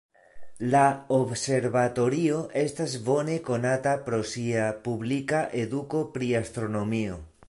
La observatorio estas bone konata pro sia publika eduko pri astronomio.